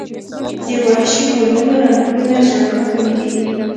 د وحشي ګلونو رنګونه زړه راښکونکي دي